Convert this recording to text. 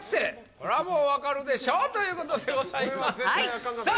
これはもうわかるでしょということでございますさあ